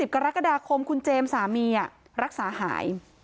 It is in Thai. กรกฎาคมคุณเจมส์สามีรักษาหาย